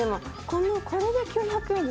「これ１５００円」